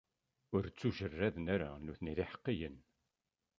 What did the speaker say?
Ur ttujerraden ara nutni d iḥeqqiyen.